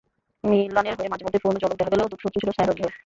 মিলানের হয়ে মাঝে মধ্যেই পুরোনো ঝলক দেখা গেলেও দুটো শত্রু ছিল ছায়াসঙ্গী হয়ে।